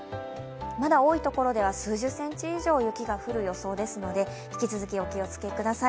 まだ多いところでは数十センチ以上降る予想ですので、引き続きお気をつけください。